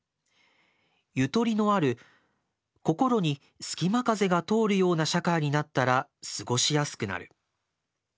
ゆとりのある心にすきま風が通るような社会になったら過ごしやすくなる。